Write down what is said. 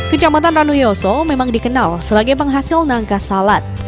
kejamatan rangkau yoso memang dikenal sebagai penghasil nangka salad